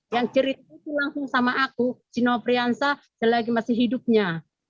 yang cerita itu langsung sama aku sinopriansa selagi masih hidupnya